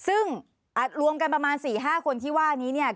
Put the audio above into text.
ซึ่งรวมกันประมาณ๔๕คนที่ว่านี้เนี่ย